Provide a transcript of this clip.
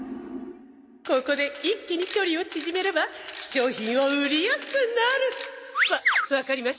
ここで一気に距離を縮めれば商品を売りやすくなる！わわかりました。